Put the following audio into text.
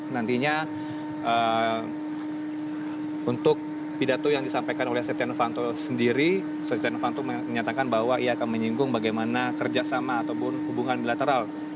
nantinya untuk pidato yang disampaikan oleh setia novanto sendiri setia novanto menyatakan bahwa ia akan menyinggung bagaimana kerjasama ataupun hubungan bilateral